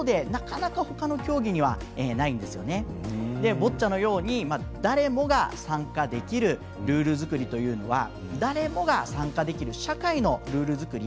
ボッチャのように誰もが参加できるルール作りというのは誰もが参加できる社会のルール作り。